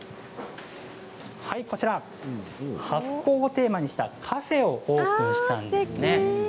はい、こちら発酵をテーマにしたカフェもオープンしたんです。